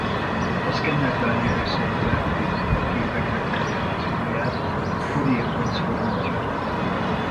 A szkennerben lévő szoftverek végzik a képek rekonstrukcióját a Fourier-transzformációt követően.